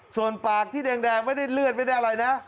ส่วนปากที่แดงไม่ได้เลือดไม่ได้อะไรนะ